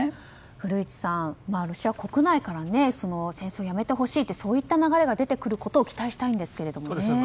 古市さん、ロシア国内から戦争をやめてほしいというそういった流れが出てくることを期待したいんですけどね。